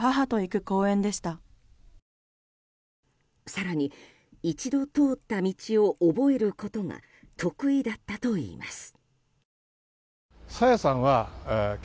更に、一度通った道を覚えることが得意だったといいます。